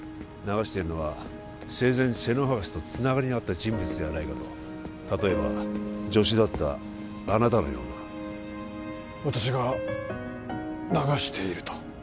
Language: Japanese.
流しているのは生前瀬能博士とつながりのあった人物ではないかと例えば助手だったあなたのような私が流していると？